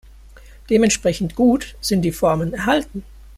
Dementsprechend gut sind die Formen erhalten.